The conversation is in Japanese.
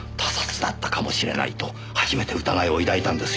他殺だったかもしれないと初めて疑いを抱いたんですよ。